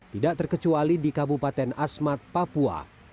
tidak terkecuali di kabupaten asmat papua